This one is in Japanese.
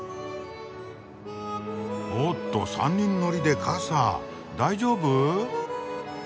おっと３人乗りで傘大丈夫？